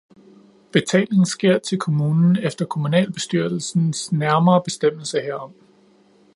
Betaling sker til kommunen efter kommunalbestyrelsens nærmere bestemmelse herom